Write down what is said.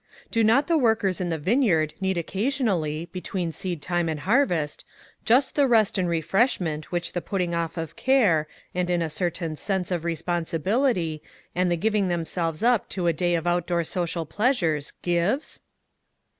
Do not the workers in the vineyard need occasionally, between seed time and harvest, just the rest and refreshment which the putting off of care, and in a cer tain sense of responsibility, and the giving themselves up to a day of out door social pleasures, gives